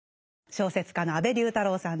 小説家の安部龍太郎さんです。